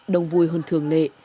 đông vui hơn thường lệ